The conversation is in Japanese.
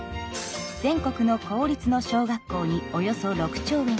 全国の公立の小学校におよそ６兆円。